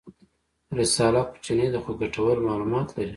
رساله کوچنۍ ده خو ګټور معلومات لري.